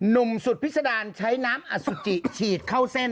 หนุ่มสุดพิษดารใช้น้ำอสุจิฉีดเข้าเส้น